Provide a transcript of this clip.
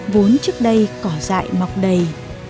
vốn trước đây cỏ dại mọc đầy